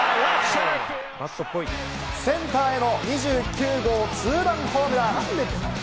センターへの２９号ツーランホームラン！